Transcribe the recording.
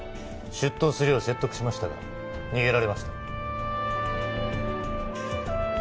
出頭するよう説得しましたが逃げられました。